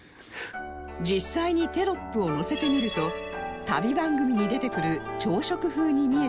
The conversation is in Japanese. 実際にテロップをのせてみると旅番組に出てくる朝食風に見えてきませんか？